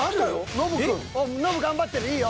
ノブ頑張ってるいいよ。